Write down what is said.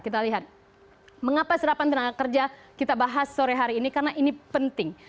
kita lihat mengapa serapan tenaga kerja kita bahas sore hari ini karena ini penting